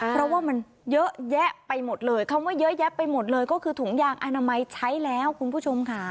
เพราะว่ามันเยอะแยะไปหมดเลยคำว่าเยอะแยะไปหมดเลยก็คือถุงยางอนามัยใช้แล้วคุณผู้ชมค่ะ